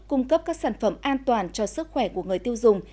cung cấp các sản phẩm an toàn cho sức khỏe của người tiêu dùng